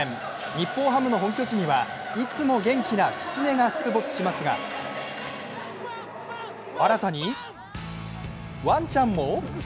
日本ハムの本拠地にはいつも元気なきつねが出没しますが新たにワンちゃんも？